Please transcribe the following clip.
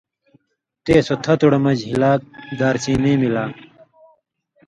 تے سو تھتُوڑہ مژ ہِلاک دارچینی ملا